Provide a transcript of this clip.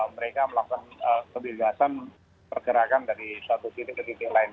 mereka melakukan kebebasan pergerakan dari satu titik ke titik lain